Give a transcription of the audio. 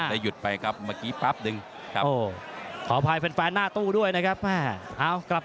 แต่หยุดไปครับเมื่อกี้ปาร์ตดึงครับ